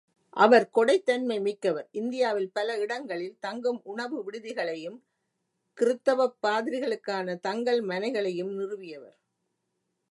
அவர் கொடைத்தன்மை மிக்கவர் இந்தியாவில் பல இடங்களில் தங்கும் உணவுவிடுதிகளையும், கிருத்தவப் பாதிரிகளுக்கான தங்கல் மனைகளையும் நிறுவியவர்.